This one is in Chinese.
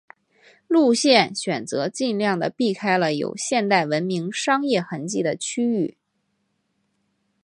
路线选择尽量的避开了有现代文明商业痕迹的区域。